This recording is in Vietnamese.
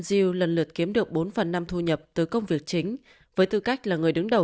zeal lần lượt kiếm được bốn phần năm thu nhập từ công việc chính với tư cách là người đứng đầu